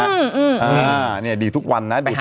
อ่านี่ดีทุกวันนะดีทุกวัน